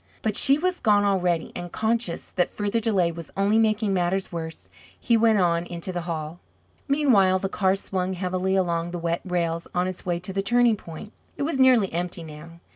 But she was gone already, and conscious that further delay was only making matters worse, he went on into the hall. Meanwhile, the car swung heavily along the wet rails on its way to the turning point. It was nearly empty now.